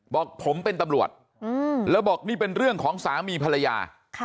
บอกผมเป็นตำรวจแล้วบอกนี่เป็นเรื่องของสามีภรรยา